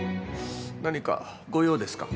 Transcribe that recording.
何かご用ですか？